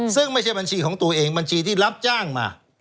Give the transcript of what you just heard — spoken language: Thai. ซึ่งไม่ใช่บัญชีของตัวเองบัญชีที่รับจ้างมา